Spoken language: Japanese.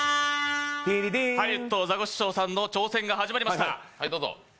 ハリウッドザコシシショウさんの挑戦が始まりました。